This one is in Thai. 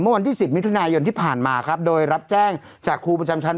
วันที่สิบมิถุนายนที่ผ่านมาครับโดยรับแจ้งจากครูประจำชั้น